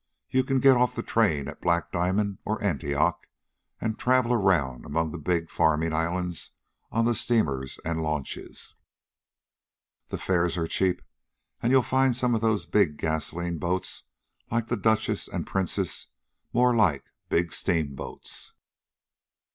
You can get off the train at Black Diamond or Antioch and travel around among the big farming islands on the steamers and launches. The fares are cheap, and you'll find some of those big gasoline boats, like the Duchess and Princess, more like big steamboats."